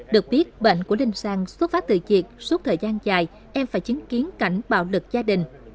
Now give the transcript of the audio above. được biết bệnh của đinh sang xuất phát từ việc suốt thời gian dài em phải chứng kiến cảnh bạo lực gia đình